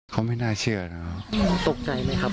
เมื่อคืนแม่ร้องไห้เหรอครับ